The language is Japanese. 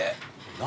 何？